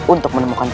untuk menemukan kita